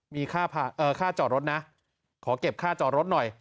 มีค่าจอดรถนะขอเก็บค่าจอดรถหน่อย